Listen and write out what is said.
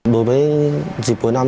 với dịch cuối năm